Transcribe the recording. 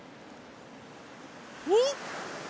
おっ！